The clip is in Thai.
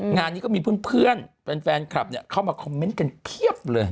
งานนี้ก็มีเพื่อนแฟนคลับเข้ามาคอมเมนต์กันเพียบเลย